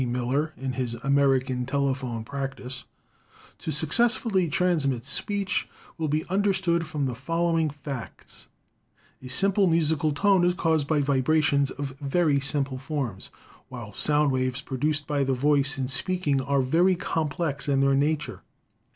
B. Miller in his 'American Telephone Practice,' "to successfully trans mit speech will be understood from the following facts : A simple musical tone is caused by vibrations of very simple forms, while sound waves produced by the voice in THE TELEPHONE 261 speaking are very complex in their nature.